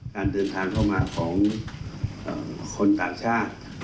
การเดินทางเข้ามาของคนต่างชาติ